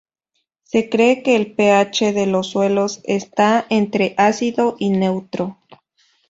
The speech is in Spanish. Se cree que el pH de los suelos está entre ácido y neutro.